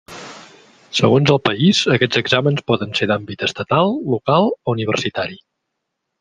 Segons el país, aquests exàmens poden ser d'àmbit estatal, local o universitari.